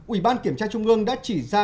ủy ban kiểm tra trung ương đã chỉ ra